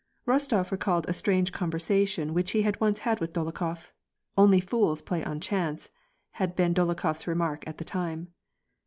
'' Rostof recalled a strange conversation which he had once had with Dolokhof. " Only fools play on chance," had been Dolokhof's remark at the time.